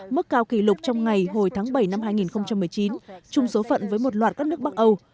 mức cao kỷ lục trong ngày hồi tháng bảy năm hai nghìn một mươi chín chung số phận với một loạt các nước bắc âu